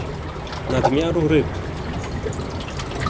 nadmiaru ryb